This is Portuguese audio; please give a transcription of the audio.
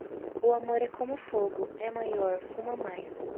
O amor é como fogo; É maior, fuma mais.